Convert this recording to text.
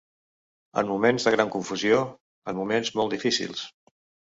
En moments de gran confusió, en moments molt difícils.